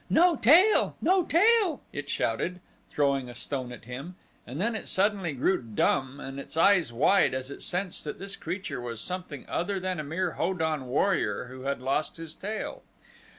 "No tail! no tail!" it shouted, throwing a stone at him, and then it suddenly grew dumb and its eyes wide as it sensed that this creature was something other than a mere Ho don warrior who had lost his tail.